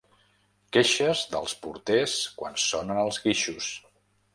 Queixes dels porters quan sonen els guixos.